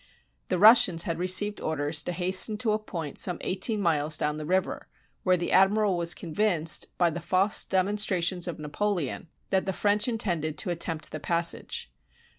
The Russians had received orders to hasten to a point some eighteen miles down the river, where the admiral was convinced, by the false demonstrations of Napoleon, that the French intended to attempt the passage.